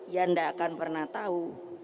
ya tidak akan pernah tahu